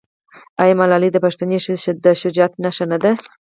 آیا ملالۍ د پښتنې ښځې د شجاعت نښه نه ده؟